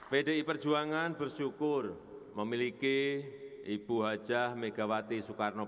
pdi perjuangan bersyukur memiliki ibu hajah megawati soekarno putri